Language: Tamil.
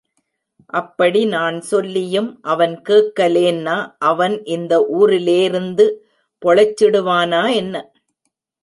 அப்படி நான் சொல்லியும் அவன் கேக்கலேன்னா அவன் இந்த ஊருலேருந்து பொளேச்சிடுவானா, என்ன?